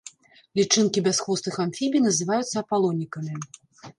Лічынкі бясхвостых амфібій называюцца апалонікамі.